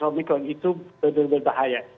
omikron itu benar benar bahaya